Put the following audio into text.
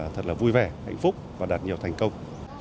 thật là vui vẻ hạnh phúc và đạt nhiều thành công